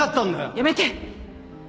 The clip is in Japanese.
⁉やめて！